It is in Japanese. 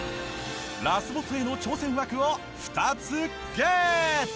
ラスボスへの挑戦枠を２つゲット！